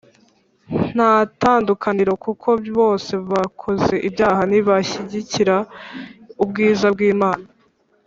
ntatandukaniro kuko bose bakoze ibyaha ntibashyikira ubwiza bw’Imana